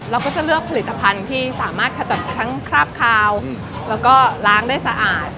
เราก็จะเลือกผลิตภัณฑ์ที่สามารถขจัดทั้งคราบคาวแล้วก็ล้างได้สะอาด